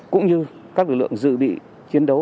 cũng như các lực lượng dự bị chiến đấu